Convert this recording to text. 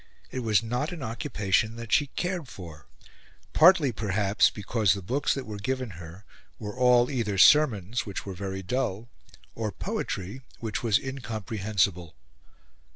It was not an occupation that she cared for; partly, perhaps, because the books that were given her were all either sermons, which were very dull, or poetry, which was incomprehensible.